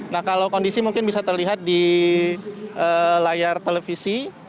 nah kalau kondisi mungkin bisa terlihat di layar televisi